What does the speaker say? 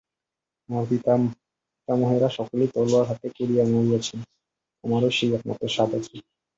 আমার পিতা-পিতামহেরা সকলেই তলোয়ার হাতে করিয়া মরিয়াছেন, আমারও সেই একমাত্র সাধ আছে।